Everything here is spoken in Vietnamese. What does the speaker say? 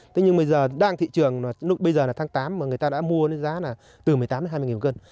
tuy nhiên bây giờ đang thị trường bây giờ là tháng tám mà người ta đã mua giá là từ một mươi tám đến hai mươi nghìn một cân